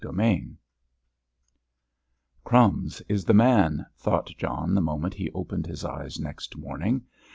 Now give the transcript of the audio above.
CHAPTER XIII "'Crumbs' is the man," thought John the moment he opened his eyes next morning.